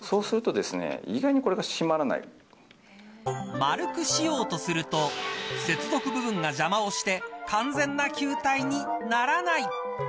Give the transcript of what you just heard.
丸くしようとすると接続部分が邪魔をして完全な球体にならない。